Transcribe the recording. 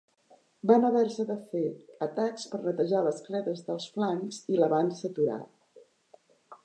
Van haver-se de fer atacs per netejar les cledes dels flancs i l'avanç s'aturà.